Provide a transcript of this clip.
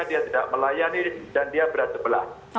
dia tidak melayani dan dia berat sebelah